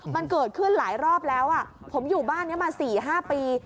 มันเกิดขึ้นหลายรอบแล้วผมอยู่บ้านนี้มา๔๕ปี